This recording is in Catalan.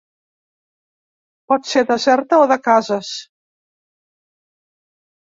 Pot ser deserta o de cases.